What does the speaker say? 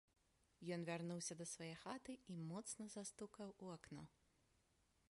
Ён вярнуўся да свае хаты і моцна застукаў у акно.